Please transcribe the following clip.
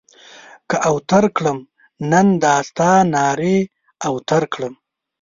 که اوتر کړم؛ نن دا ستا نارې اوتر کړم.